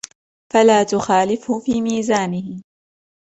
فَلَا تُخَالِفْهُ فِي مِيزَانِهِ